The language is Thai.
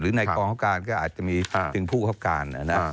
ในกองคับการก็อาจจะมีถึงผู้คับการ